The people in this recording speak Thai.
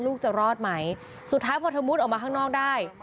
ลูกจะรอดไหมสุดท้ายพอเธอมุดออกมาข้างนอกได้